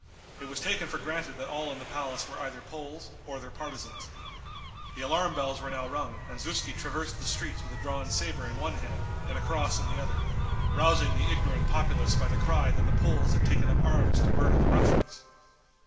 It was taken for granted that all in the palace were either Poles or their partisans. The alarm bells were now rung, and Zuski traversed the streets with a drawn saber in one hand and a cross in the other, rousing the ignorant populace by the cry that the Poles had taken up arms to murder the Russians.